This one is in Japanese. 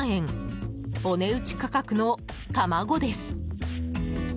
お値打ち価格の卵です。